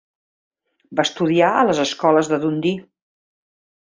Va estudiar a les escoles de Dundee.